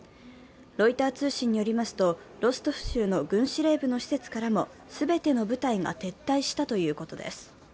ロイター通信によりますと、ロストフ州の軍司令部の施設からも全ての部隊が撤退したということです。